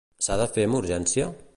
S'ha de fer amb urgència?